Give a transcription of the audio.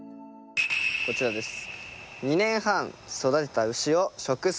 こちらです。